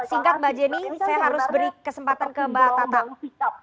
singkat mbak jenny saya harus beri kesempatan ke mbak tatang